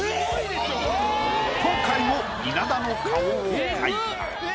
今回も稲田の顔を描いた。